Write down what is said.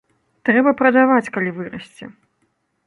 Трэба прадаваць, калі вырасце!